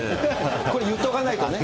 これ、言っとかないとね。